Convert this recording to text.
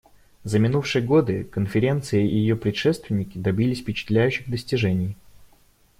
За минувшие годы Конференция и ее предшественники добились впечатляющих достижений.